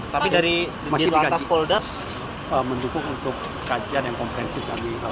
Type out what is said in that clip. tapi dari lintas polda mendukung untuk kajian yang kompensif